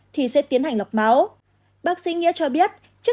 thì sẽ tiến hành lọc máu